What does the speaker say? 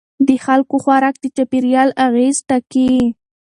د خلکو خوراک د چاپیریال اغېز ټاکي.